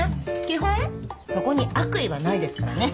基本そこに悪意はないですからね。